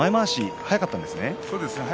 早かったですね。